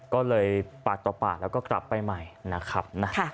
ก็เลยปาดต่อปากแล้วก็กลับไปใหม่นะครับ